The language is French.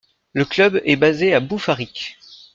Le club est basé à Boufarik.